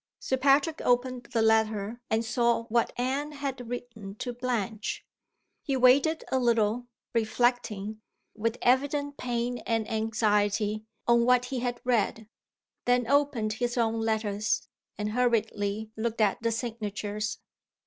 Sir Patrick opened the letter and saw what Anne had written to Blanche. He waited a little, reflecting, with evident pain and anxiety, on what he had read then opened his own letters, and hurriedly looked at the signatures.